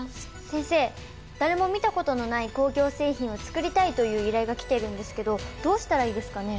先生誰も見たことのない工業製品を作りたいという依頼が来てるんですけどどうしたらいいですかね？